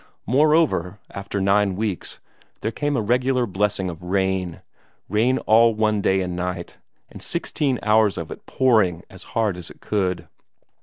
Moreover, after nine weeks, there came a regular blessing of rain, rain all one day and night, and sixteen hours of it pouring as hard as it could.